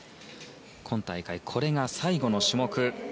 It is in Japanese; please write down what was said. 今大会、これが最後の種目。